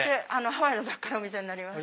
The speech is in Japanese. ハワイの雑貨のお店になります。